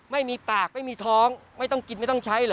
ไม่มีปากไม่มีท้องไม่ต้องกินไม่ต้องใช้เหรอ